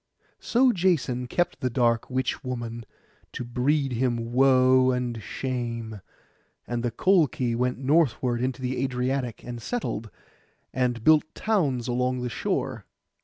So Jason kept the dark witch maiden to breed him woe and shame; and the Colchi went northward into the Adriatic, and settled, and built towns along the shore.